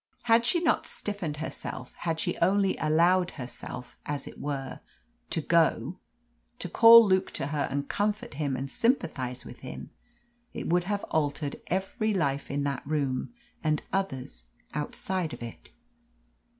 Had she not stiffened herself, had she only allowed herself, as it were, to go to call Luke to her and comfort him and sympathise with him it would have altered every life in that room, and others outside of it.